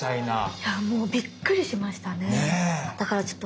いやもうびっくりしましたね。